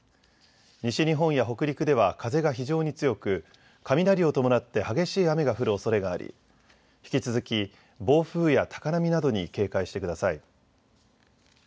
西日本や北陸では風が非常に強く雷を伴って激しい雨が降るおそれがあり引き続き暴風や高波などに警戒してください。